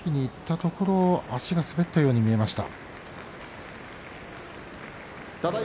はたきにいったところを足が滑ったように見えました。